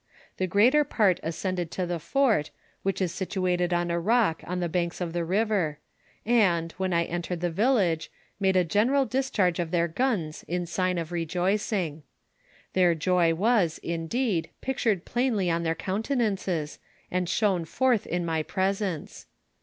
The greater part ascended to the fort, which is situated on a rook on the banks of the river, and, when I entered the village, made a general dis charge of their guns in sign of rejoicing. Their joy was, indeed, pictured plainly on their countenances, and shone forth in my presence.